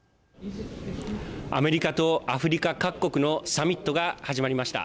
アメリカとアフリカ各国のサミットが始まりました。